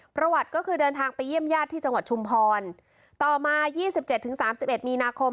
ประวัติก็คือเดินทางไปเยี่ยมญาติที่จังหวัดชุมพรต่อมายี่สิบเจ็ดถึงสามสิบเอ็ดมีนาคม